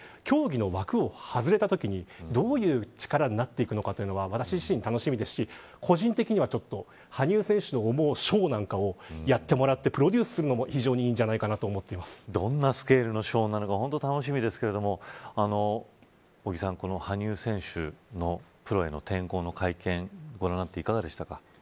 競技の枠を外れたときにどういう力になっていくのか私自身、楽しみですし個人的には羽生選手の思うショーなんかをやってもらってプロデュースするのも非常にいいんじゃないかとどんなスケールのショーなのか非常に楽しみですが尾木さん、羽生選手のプロへの転向の会見ご覧になっていかがですか。